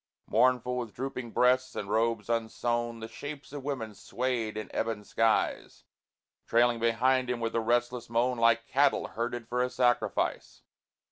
Mournful, with drooping breasts and robes unsewn The shapes of women swayed in ebon skies, Trailing behind him with a restless moan Like cattle herded for a sacrifice.